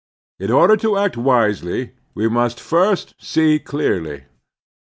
In order to act wisely we must first see clearly.